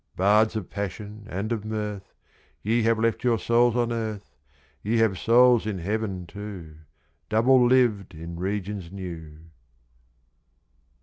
Bards of Passion and of Mirth, Ye have left your souls on earth! Ye have souls in heaven too, Double lived in regions new!